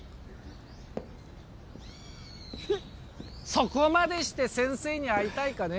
そこまでして先生に会いたいかね